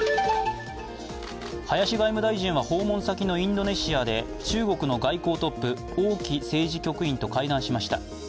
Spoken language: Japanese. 林外務大臣は訪問先のインドネシアで中国の外交トップ王毅政治局員と会談しました。